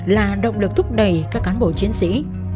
là động lực thúc đẩy các cán bộ chiến sĩ